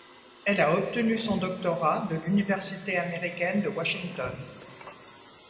Elle a obtenu son doctorat de l'université américaine de Washington.